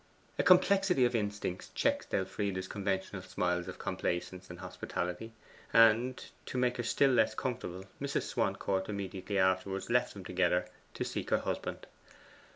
A complexity of instincts checked Elfride's conventional smiles of complaisance and hospitality; and, to make her still less comfortable, Mrs. Swancourt immediately afterwards left them together to seek her husband.